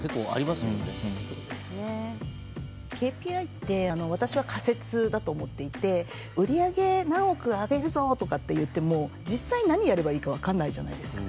ＫＰＩって私は仮説だと思っていて売り上げ何億上げるぞ！とかっていっても実際何やればいいか分かんないじゃないですか。